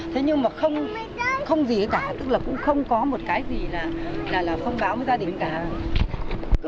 thế nhưng mà không gì cả tức là cũng không có một cái gì là thông báo gia đình cả